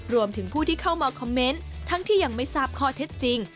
รวมถึงผู้ที่เข้ามาคอมเมนต์ทั้งที่ยังไม่ทราบข้อเท็จจริง